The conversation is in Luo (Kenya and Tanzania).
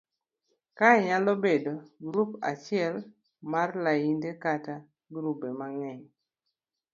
Kae nyalo bedo grup achiel mar lainde kata grube mang'eny